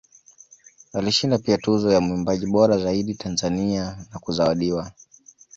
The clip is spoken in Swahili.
Alishinda pia Tuzo ya Mwimbaji bora zaidi Tanzania na kuzawadiwa